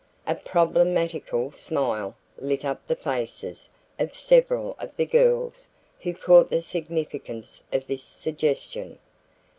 A problematical smile lit up the faces of several of the girls who caught the significance of this suggestion.